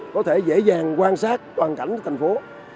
có thể dễ dàng quan sát toàn cảnh của thành phố